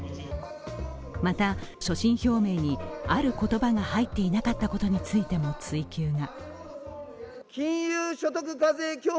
また、所信表明にある言葉が入っていなかったことについても追及が。